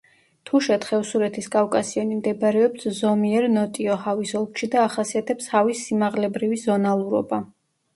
თუშეთ-ხევსურეთის კავკასიონი მდებარეობს ზომიერ ნოტიო ჰავის ოლქში და ახასიათებს ჰავის სიმაღლებრივი ზონალურობა.